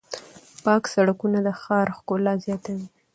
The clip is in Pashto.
پاک سړکونه د ښار ښکلا زیاتوي.